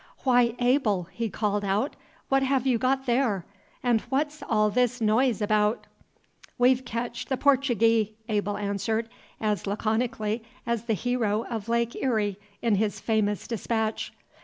"Why, Abel!" he called out, "what have you got there? and what 's all this noise about?" "We've ketched the Portagee!" Abel answered, as laconically as the hero of Lake Erie, in his famous dispatch.